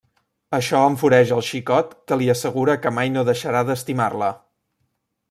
Això enfureix el xicot, que li assegura que mai no deixarà d'estimar-la.